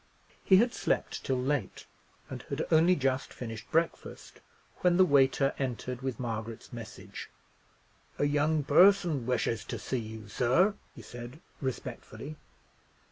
He had slept till late, and had only just finished breakfast, when the waiter entered with Margaret's message. "A young person wishes to see you, sir," he said, respectfully.